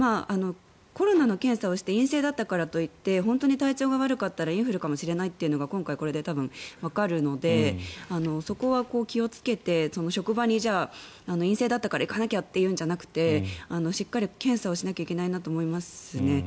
コロナの検査をして陰性だったからといって本当に体調が悪かったらインフルかもしれないっていうことが今回これで多分わかるのでそこは気をつけて職場にじゃあ、陰性だったから行かなきゃというんじゃなくてしっかり検査をしなければいけないなと思いますね。